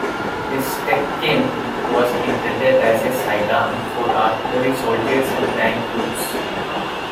The Stechkin was intended as a side arm for artillery soldiers and tank crews.